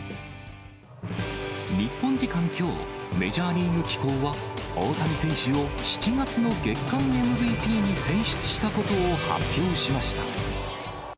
日本時間きょう、メジャーリーグ機構は、大谷選手を７月の月間ＭＶＰに選出したことを発表しました。